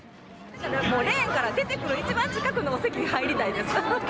レーンから出てくる一番近くの席に入りたいです。